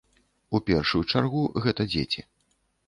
У першую чаргу гэта дзеці.